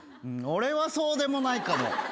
俺はそうでもないかも。